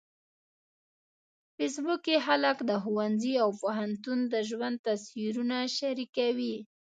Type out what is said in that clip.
په فېسبوک کې خلک د ښوونځي او پوهنتون د ژوند تصویرونه شریکوي